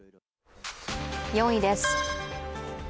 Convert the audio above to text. ４位です。